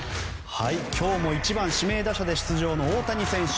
今日も１番指名打者で出場の大谷選手。